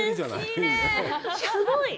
すごい！